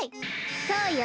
そうよ！